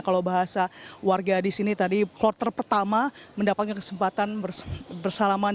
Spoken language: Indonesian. kalau bahasa warga di sini tadi kloter pertama mendapatkan kesempatan bersalaman